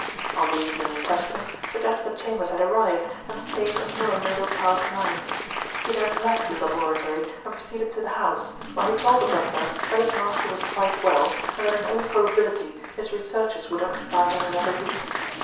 On the evening in question, Sir Jasper Chambers had arrived and stayed until a little past nine. He then left the laboratory and proceeded to the house, where he told the butler that his master was quite well, and that in all probability his researches would occupy him another week.